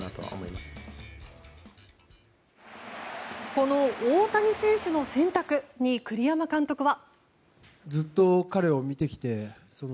この大谷選手の選択に栗山監督は。